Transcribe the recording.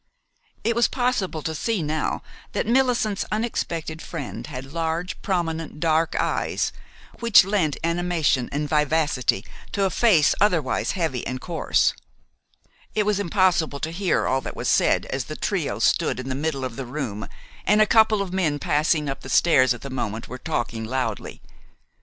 It was possible to see now that Millicent's unexpected friend had large, prominent dark eyes which lent animation and vivacity to a face otherwise heavy and coarse. It was impossible to hear all that was said, as the trio stood in the middle of the room and a couple of men passing up the stairs at the moment were talking loudly.